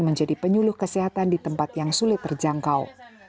menjadi penyuluh kesehatan di tempat yang sulit terjangkau